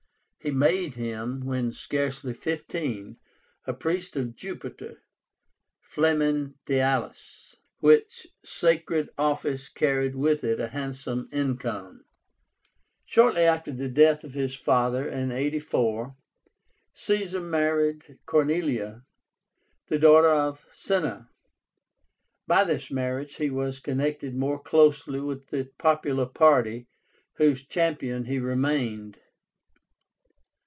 He made him, when scarcely fifteen, a priest of Jupiter (flamen dialis), which sacred office carried with it a handsome income. Shortly after the death of his father, in 84, Caesar married Cornelia, the daughter of Cinna. By this marriage he was connected more closely with the popular party, whose champion he remained.